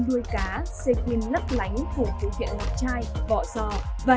đuôi cá xe queen lấp lánh của cụ thể loạt trai vọ giò và